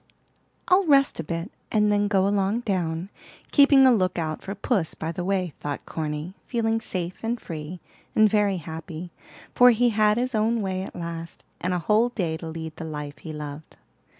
"I'll rest a bit, and then go along down, keeping a look out for puss by the way," thought Corny, feeling safe and free, and very happy, for he had his own way, at last, and a whole day to lead the life he loved.